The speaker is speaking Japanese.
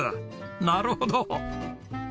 なるほど。